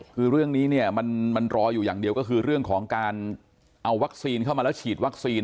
คือเรื่องนี้เนี่ยมันรออยู่อย่างเดียวก็คือเรื่องของการเอาวัคซีนเข้ามาแล้วฉีดวัคซีน